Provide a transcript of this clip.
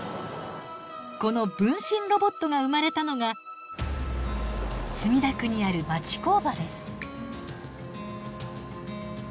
この分身ロボットが生まれたのが墨田区にある町工場です。